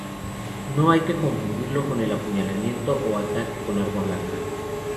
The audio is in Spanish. No hay que confundirlo con el apuñalamiento o ataque con arma blanca.